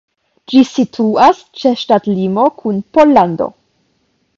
Ĝi situas ĉe ŝtatlimo kun Pollando.